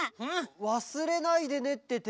「わすれないでね」っててがみ？